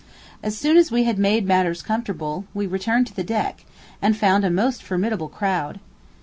As soon as we had made matters comfortable, we returned to the deck, and found a most formidable crowd.